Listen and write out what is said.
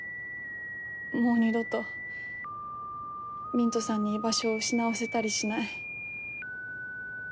もう二度とミントさんに居場所を失わせたりしない。